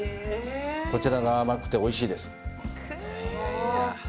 こちらが甘くておいしいです。